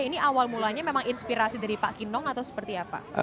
ini awal mulanya memang inspirasi dari pak kinong atau seperti apa